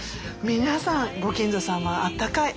皆さんご近所さんはあったかい。